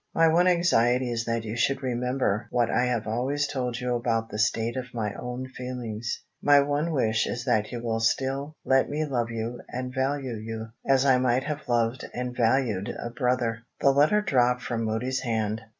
My one anxiety is that you should remember what I have always told you about the state of my own feelings. My one wish is that you will still let me love you and value you, as I might have loved and valued a brother." The letter dropped from Moody's hand.